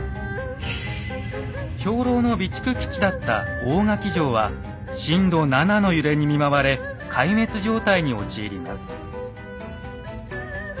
兵糧の備蓄基地だった大垣城は震度７の揺れに見舞われ壊滅状態に陥ります。